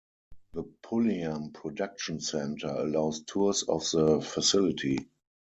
The Pulliam Production Center allows tours of the facility.